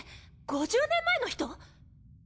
５０年前の人？